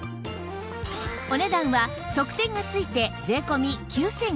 お値段は特典が付いて税込９９００円